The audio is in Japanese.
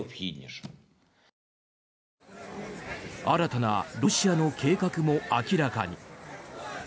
新たなロシアの計画も明らかに。